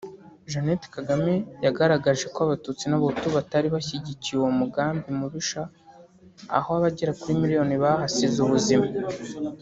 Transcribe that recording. Jeannette Kagame yagaragaje ko Abatutsi n’Abahutu batari bashyigikiye uwo mugambi mubisha aho abagera kuri miliyoni bahasize ubuzima